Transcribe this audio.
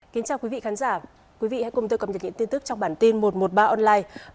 kính chào quý vị khán giả quý vị hãy cùng tôi cập nhật những tin tức trong bản tin một trăm một mươi ba online